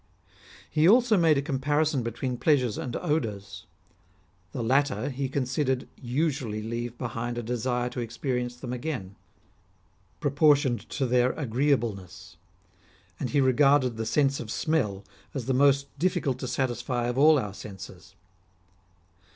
He also made a comparison between pleasures and odours. The latter he considered usually leave behind a desire to experience them again, proportioned to their agreeableness ; and he regarded the sense of smell as the most difficult to satisfy of all our senses.